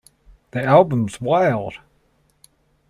The albums Wild!